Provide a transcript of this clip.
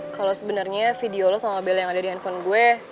kalau sebenarnya video lo sama bel yang ada di handphone gue